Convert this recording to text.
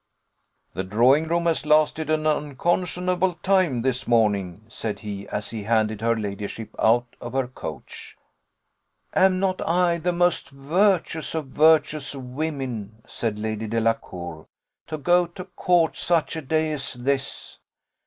"The drawing room has lasted an unconscionable time this morning," said he, as he handed her ladyship out of her coach, "Am not I the most virtuous of virtuous women," said Lady Delacour, "to go to court such a day as this?